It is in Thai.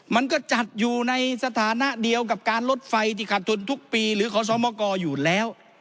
มันก็จัดอยู่ในสถานะเดียวกับการลดไฟที่ขาดทุนทุกปีหรือขอสมกอยู่แล้ว